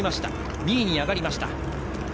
２位に上がりました。